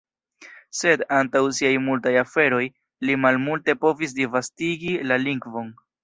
Sed, antaŭ siaj multaj aferoj, li malmulte povis disvastigi la lingvon.